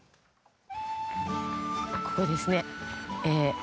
ここですね。